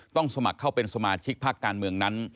สมัครเข้าเป็นสมาชิกพักการเมืองนั้น